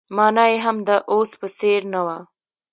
مانا يې هم د اوس په څېر نه وه.